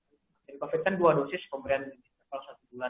vaksin covid kan dua dosis pemberian interval satu bulan